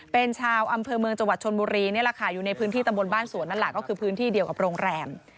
เป็นชาวอำเภอเมืองจังหวัดชนบุรีนี่แหละค่ะอยู่ในพื้นที่ตำบลบ้านสวนนั่นแหละก็คือพื้นที่เดียวกับโรงแรม